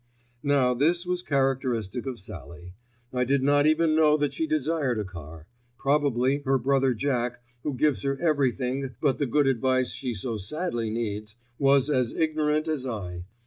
Now this was characteristic of Sallie. I did not even know that she desired a car; probably her brother Jack, who gives her everything but the good advice she so sadly needs, was as ignorant as I.